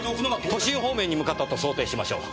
都心方面へ向かったと想定しましょう。